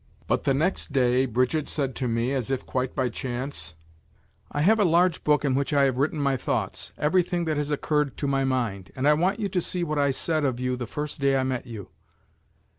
But the next day Brigitte said to me, as though by chance: "I have a large book in which I have written my thoughts, everything that has occurred to my mind, and I want you to see what I said of you the first day I met you."